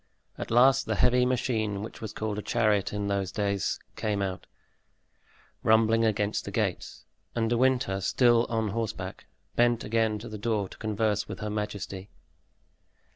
At last the heavy machine, which was called a chariot in those days, came out, rumbling against the gates, and De Winter, still on horseback, bent again to the door to converse with her majesty.